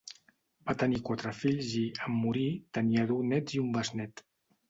Va tenir quatre fills i, en morir, tenia deu nets i un besnet.